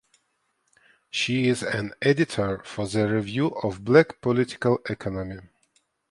She is an editor for The Review of Black Political Economy.